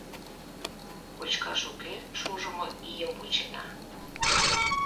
Кочкаш уке, шужымо ийым вучена.